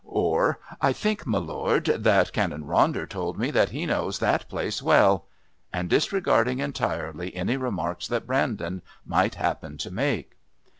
or "I think, my lord, that Canon Ronder told me that he knows that place well," and disregarding entirely any remarks that Brandon might happen to make.